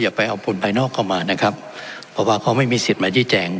ไปเอาคนภายนอกเข้ามานะครับเพราะว่าเขาไม่มีสิทธิ์มาชี้แจง